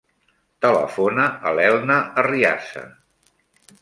Telefona a l'Elna Arriaza.